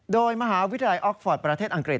โดยมหาวิทยาลัยออกฟอร์ตประเทศอังกฤษ